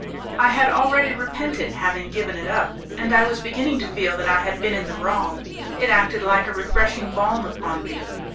I had already repented having given it up, and I was beginning to feel that I had been in the wrong. It acted like a refreshing balm upon me.